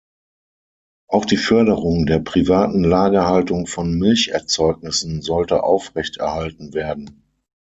Auch die Förderung der privaten Lagerhaltung von Milcherzeugnissen sollte aufrechterhalten werden.